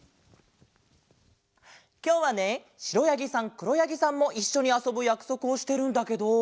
きょうはねしろやぎさんくろやぎさんもいっしょにあそぶやくそくをしてるんだけど。